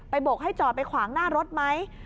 บกให้จอดไปขวางหน้ารถไหม